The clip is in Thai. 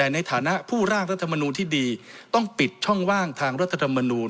ในฐานะผู้ร่างรัฐมนูลที่ดีต้องปิดช่องว่างทางรัฐธรรมนูล